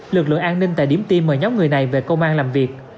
lực lượng an ninh tại điểm tin mời nhóm người này về công an làm việc